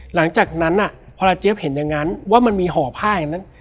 หลังจากนั้นพอเจี๊ยบเห็นอย่างนั้นว่ามันมีห่อผ้าอย่างนั้น